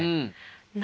うん。